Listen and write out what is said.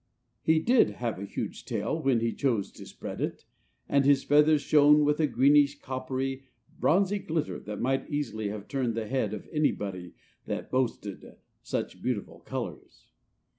He did have a huge tail, when he chose to spread it; and his feathers shone with a greenish, coppery, bronzy glitter that might easily have turned the head of anybody that boasted such beautiful colors.